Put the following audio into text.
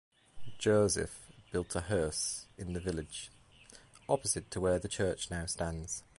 Joseph built a house in the village, opposite to where the church now stands.